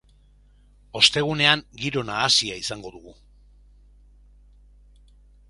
Ostegunean giro nahasia izango dugu.